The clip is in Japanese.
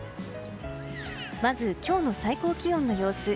まず今日の最高気温の様子。